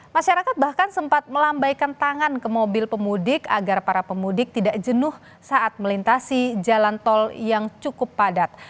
masyarakat bahkan sempat melambaikan tangan ke mobil pemudik agar para pemudik tidak jenuh saat melintasi jalan tol yang cukup padat